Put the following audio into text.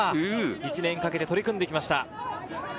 １年かけて取り組んできました。